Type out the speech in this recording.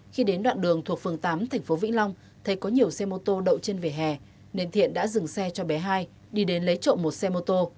khi đến đoạn đường thuộc phường tám tp vĩnh long thấy có nhiều xe mô tô đậu trên vỉa hè nên thiện đã dừng xe cho bé hai đi đến lấy trộm một xe mô tô